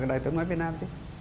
cái đài tiếng nói việt nam chứ